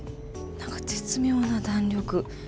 何か絶妙な弾力。